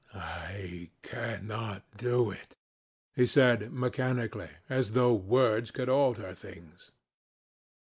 "I cannot do it," he said, mechanically, as though words could alter things.